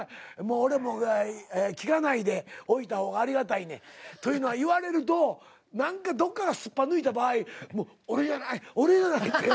俺も聞かないでおいた方がありがたいねん。というのは言われると何かどっかがすっぱ抜いた場合俺じゃない俺じゃないって。